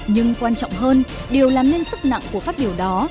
nhưng quan trọng hơn điều làm nên sức nặng của phát biểu đó